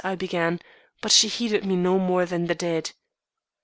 I began; but she heeded me no more than the dead.